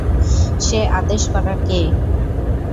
সে আদেশ করার কে?